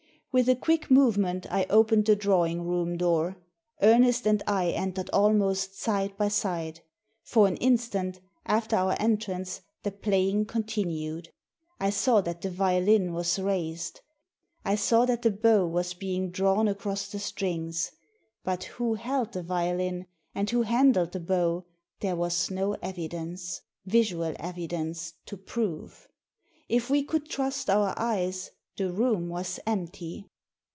With a quick movement I opened the drawing room door. Ernest and I entered almost side by side. For an instant, after our entrance, the playing continued. I saw that the violin was raised, I saw that the bow was being drawn across the strings. But who held the violin, and who handled the bow, there was no evidence — visual evidence — to prove. If we could trust our eyes, the room was empty.